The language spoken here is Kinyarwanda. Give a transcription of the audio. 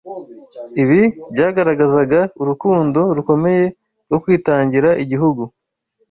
Ibi byagaragazaga urukundo rukomeye rwo kwitangira Igihugu